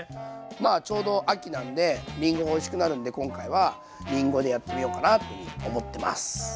まあちょうど秋なんでりんごがおいしくなるんで今回はりんごでやってみようかなというふうに思ってます。